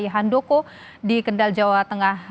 handoko di kendal jawa tengah